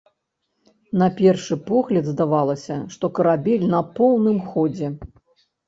На першы погляд здавалася, што карабель на поўным ходзе.